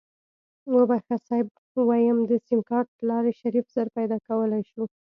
وبښه صيب ويم د سيمکارټ دلارې شريف زر پيدا کولی شو.